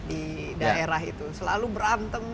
di daerah itu selalu berantem